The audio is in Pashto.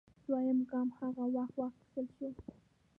دویم ګام هغه وخت واخیستل شو